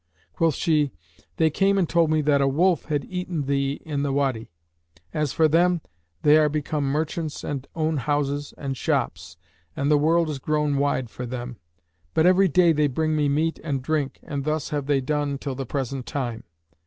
Quoth she, "They came and told me that a wolf had eaten thee in the Wady. As for them, they are become merchants and own houses and shops, and the world is grown wide for them. But every day they bring me meat and drink, and thus have they done until the present time."